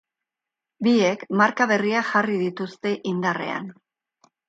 Biek marka berriak jarri dituzte indarrean.